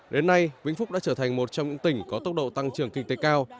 đến nay vĩnh phúc đã trở thành một trong những tỉnh có tốc độ tăng trưởng kinh tế cao